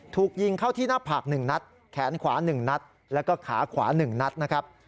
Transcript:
ถูกยิงเข้าที่หน้าผาก๑นัดแขนขวา๑นัดแล้วก็ขาขวา๑นัดนะครับ